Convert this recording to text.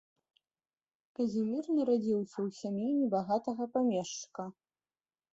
Казімір нарадзіўся ў сям'і небагатага памешчыка.